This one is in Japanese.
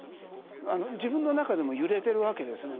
自分の中でも揺れてるわけですねまだ。